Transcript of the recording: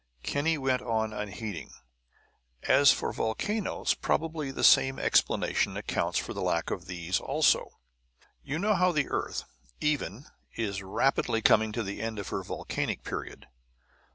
Kinney went on unheeding. "As for volcanoes probably the same explanation accounts for the lack of these also. You know how the earth, even, is rapidly coming to the end of her Volcanic period.